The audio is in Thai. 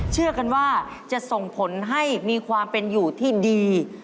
เชื่อกันว่าจะส่งผลให้มีความเป็นอยู่ที่ดี